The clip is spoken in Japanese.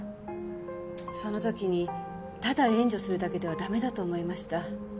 その時にただ援助するだけでは駄目だと思いました。